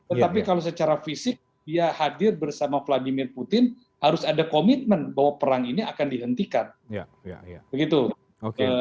tetapi kalau secara fisik dia hadir bersama vladimir putin harus ada komitmen bahwa perang ini akan dihentikan